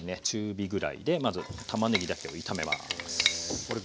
中火ぐらいでまずたまねぎだけを炒めます。